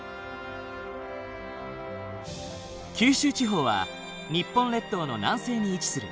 九州地方は日本列島の南西に位置する。